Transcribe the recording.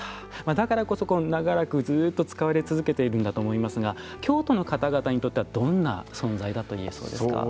だからこそ長らくずっと使われ続けているんだと思いますが京都の方々にとってはどんな存在だと言えそうですか？